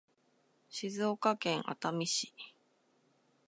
静岡県熱海市